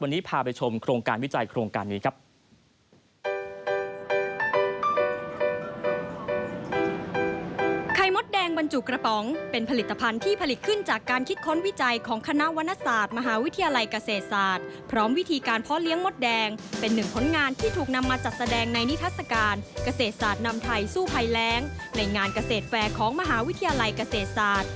วันนี้พาไปชมโครงการวิจัยโครงการนี้ครับ